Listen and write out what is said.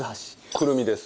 くるみです。